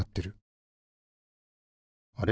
あれ？